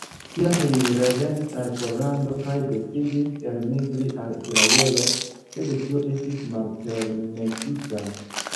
Tiam li revenis al Pollando kaj decidis elmigri al Israelo, sed tio estis malpermesita.